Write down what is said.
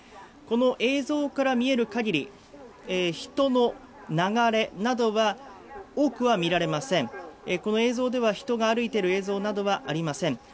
この映像から見える限り人の流れなどは多くは見られませんこの映像では人が歩いている映像などはありません。